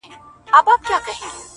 ورېښمیني څڼي دي شمال وهلې -